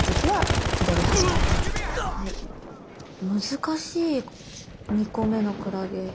難しい２個目のクラゲ。